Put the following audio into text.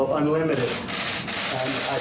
การพบกันในวันนี้ปิดท้ายด้วยการร่วมรับประทานอาหารค่ำร่วมกัน